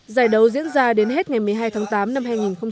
giải đấu diễn ra đến hết ngày một mươi hai tháng tám năm hai nghìn một mươi chín